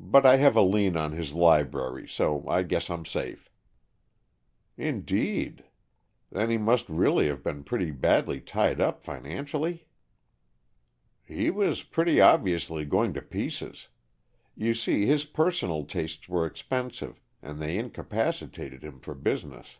But I have a lien on his library, so I guess I'm safe." "Indeed! Then he must really have been pretty badly tied up financially?" "He was pretty obviously going to pieces. You see, his personal tastes were expensive, and they incapacitated him for business.